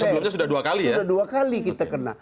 sebelumnya sudah dua kali ya